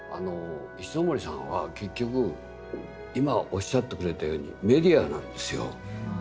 石森さんは結局今おっしゃってくれたようにメディアなんですよ。